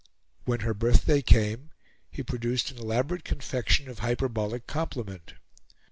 When her birthday came he produced an elaborate confection of hyperbolic compliment.